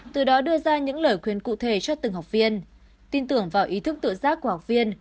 từ đó đưa ra những lời khuyên cụ thể cho từng học viên tin tưởng vào ý thức tự giác của học viên